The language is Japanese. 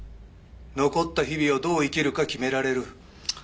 残った日々をどう生きるか決められる。